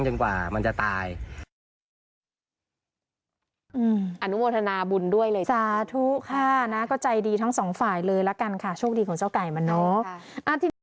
สาธุค่ะนะก็ใจดีทั้งสองฝ่ายเลยละกันค่ะโชคดีของเจ้าไก่มันเนอะ